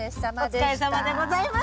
お疲れさまでございました。